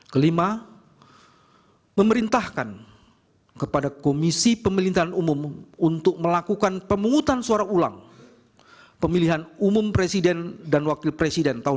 kelima memerintahkan kepada komisi pemilihan umum untuk melakukan pemungutan suara ulang pemilihan umum presiden dan wakil presiden tahun dua ribu dua puluh